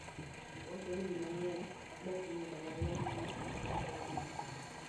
Wachore ni ji mang'eny ma oknie mbalariany, timo ohala e alworani.